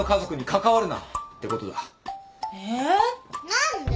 何で！